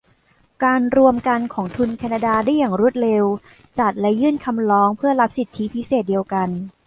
การรวมกันของทุนแคนาดาได้อย่างรวดเร็วจัดและยื่นคำร้องเพื่อรับสิทธิพิเศษเดียวกัน